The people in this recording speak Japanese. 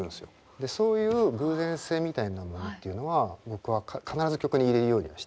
でそういう偶然性みたいなものっていうのは僕は必ず曲に入れるようにはしてて。